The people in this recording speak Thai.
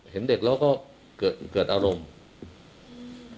เห็นเด็กแล้วก็เกิดอารมณ์